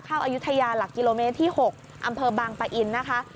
เข้าอายุทยาหลักกิโลเมตรที่หกอำเภอบางปลาอินทร์นะคะ